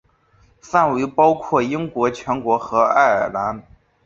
范围包括英国全国和爱尔兰。